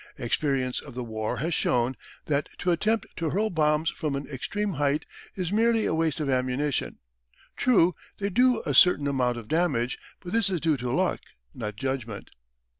Experience of the war has shown that to attempt to hurl bombs from an extreme height is merely a waste of ammunition. True, they do a certain amount of damage, but this is due to luck, not judgment.